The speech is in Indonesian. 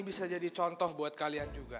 bisa jadi contoh buat kalian juga